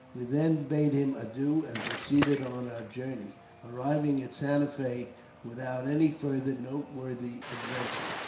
We then bade him adieu, and proceeded on our journey, arriving at Santa Fe without any farther noteworthy adventure.